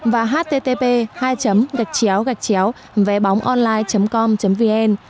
và http hai gạch chéo gạch chéo vbongonline com vn